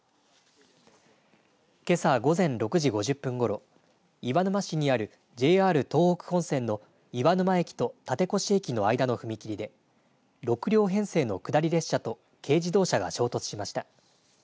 けさ、午前６時５０分ごろ岩沼市にあるＪＲ東北本線の岩沼駅と館腰駅の間の踏切で６両編成の下り列車と軽自動車が衝突しました。